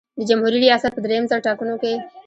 د جمهوري ریاست په دریم ځل ټاکنو کې.